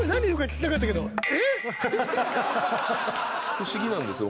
不思議なんですよ